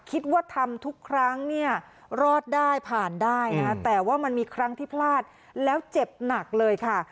คิดว่าทำทุกครั้งเนี่ยรอดได้ผ่านได้นะแต่ว่ามันมีครั้งที่พลาดแล้วเจ็บหนักเลยค่ะ